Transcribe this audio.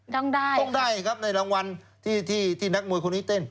ต้องได้ต้องได้ครับในรางวัลที่ที่นักมวยคนนี้เต้น